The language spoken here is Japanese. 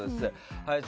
はい。